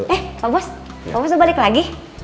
eh pak bos pak bos udah balik lagi